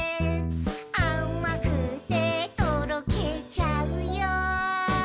「あまくてとろけちゃうよ」